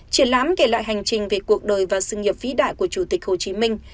triển lãm kể lại hành trình về cuộc đời và sự nghiệp vĩ đại của chủ tịch hồ chí minh